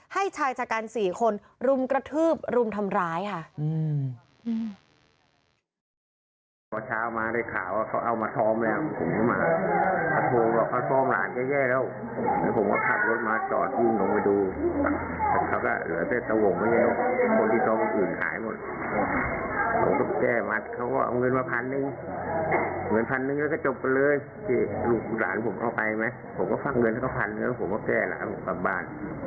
ชายชะกัน๔คนรุมกระทืบรุมทำร้ายค่ะ